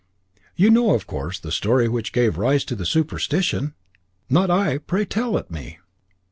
"You know, of course, the story which gave rise to the superstition?" "Not I. Pray tell it me."